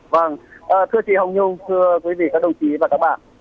vâng thưa chị hồng nhung thưa quý vị các đồng chí và các bạn